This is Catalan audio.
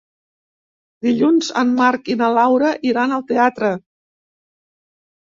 Dilluns en Marc i na Laura iran al teatre.